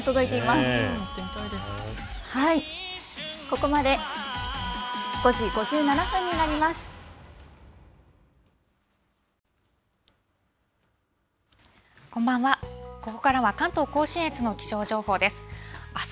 こんばんは、ここからは関東甲信越の気象情報です。